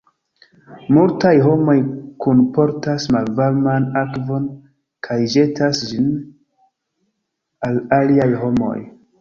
Multaj homoj kunportas malvarman akvon kaj ĵetas ĝin al aliaj homoj.